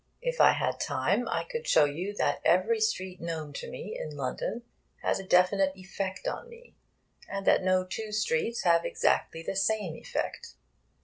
If I had time, I could show you that every street known to me in London has a definite effect on me, and that no two streets have exactly the same effect.